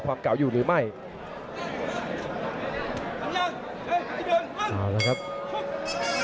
สวัสดิ์นุ่มสตึกชัยโลธสวัสดิ์